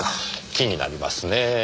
気になりますねぇ。